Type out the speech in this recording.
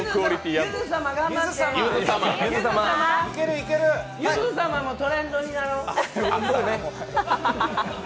ゆず様もトレンドになろう。